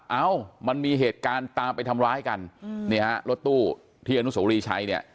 เอ้ามันมีเหตุการณ์ตามไปทำร้ายกันเนี่ยฮะรถตู้ที่อนุโสรีชัยเนี่ย